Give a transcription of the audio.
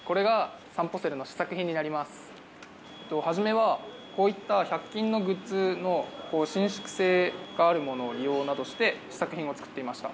初めはこういった１００均のグッズの伸縮性があるものを利用して試作品を作っていました。